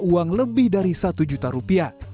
uang lebih dari satu juta rupiah